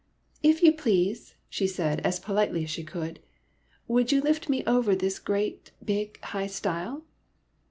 " If you please," she said as politely as she could, "will you lift me over this great, big, high stile?"